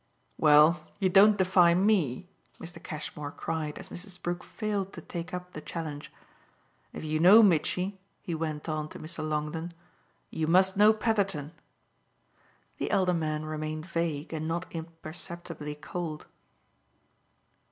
"Well, you don't defy ME!" Mr. Cashmore cried as Mrs. Brook failed to take up the challenge. "If you know Mitchy," he went on to Mr. Longdon, "you must know Petherton." The elder man remained vague and not imperceptibly cold.